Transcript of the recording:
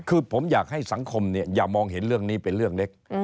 คือผมอยากให้สังคมอย่ามองเห็นเรื่องนี้เป็นเรื่องเล็ก